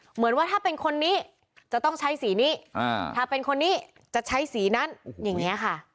เหมือนว่าถ้าเป็นคนนี้จะต้องใช้สีนี้ถ้าเป็นคนนี้จะใช้สีนั้นอย่างนี้ค่ะ